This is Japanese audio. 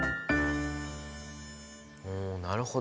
おなるほど。